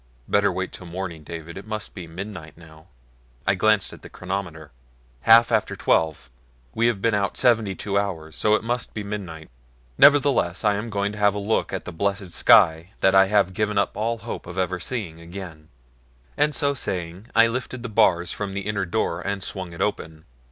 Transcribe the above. "Better wait till morning, David it must be midnight now." I glanced at the chronometer. "Half after twelve. We have been out seventy two hours, so it must be midnight. Nevertheless I am going to have a look at the blessed sky that I had given up all hope of ever seeing again," and so saying I lifted the bars from the inner door, and swung it open.